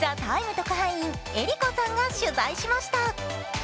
特派員、エリコさんが取材しました。